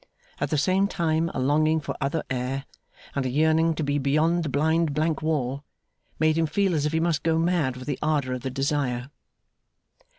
At the same time a longing for other air, and a yearning to be beyond the blind blank wall, made him feel as if he must go mad with the ardour of the desire.